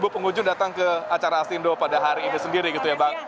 mbak pauline sudah datang ke acara astindo pada hari ini sendiri gitu ya mbak